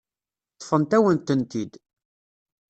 Ṭṭfent-awen-tent-id.